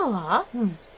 うん。